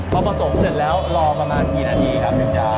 พอผสมเสร็จแล้วรอประมาณกี่นาทีครับถึงจะ